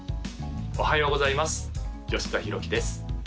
おはようございます吉田ひろきです